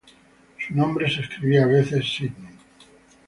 Su nombre se escribía a veces Sidney.